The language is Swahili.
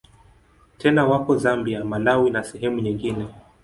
Tena wako Zambia, Malawi na sehemu nyingine.